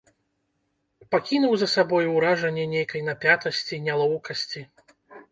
Пакінуў за сабою ўражанне нейкай напятасці, нялоўкасці.